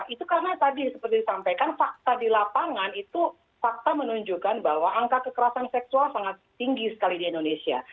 itu karena tadi seperti disampaikan fakta di lapangan itu fakta menunjukkan bahwa angka kekerasan seksual sangat tinggi sekali di indonesia